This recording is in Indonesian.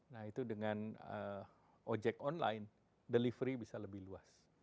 nah itu dengan ojek online delivery bisa lebih luas